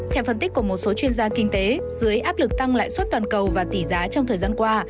theo phân tích của một số chuyên gia kinh tế dưới áp lực tăng lãi suất toàn cầu và tỷ giá trong thời gian qua